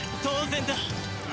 当然だ！